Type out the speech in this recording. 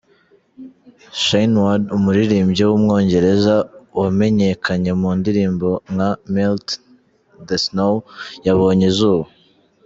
Shayne Ward, umuririmbyi w’umwongereza wamenyekanye mu ndirimbo nka Melt The Snow yabonye izuba.